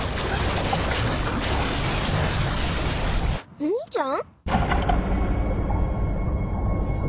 お兄ちゃん？